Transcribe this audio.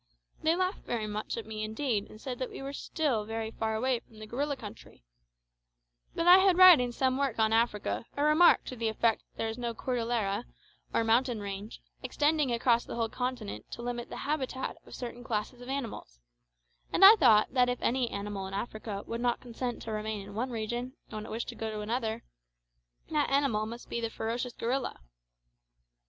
They laughed very much at me indeed, and said that we were still very far away from the gorilla country; but I had read in some work on Africa a remark to the effect that there is no cordillera, or mountain range, extending across the whole continent to limit the habitat of certain classes of animals, and I thought that if any animal in Africa would not consent to remain in one region when it wished to go to another, that animal must be the ferocious gorilla.